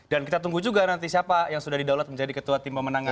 dan kita tunggu juga nanti siapa yang sudah di download menjadi ketua tim pemenangnya